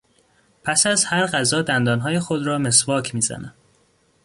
پس از هر غذا دندانهای خود را مسواک میزنم.